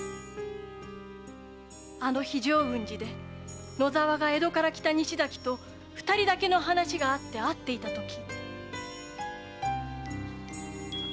あの日浄雲寺で野沢が江戸から来た西崎と二人だけの話があって会っていたとき。